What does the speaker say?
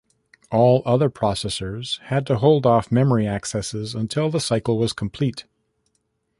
All other processors had to hold off memory accesses until the cycle was complete.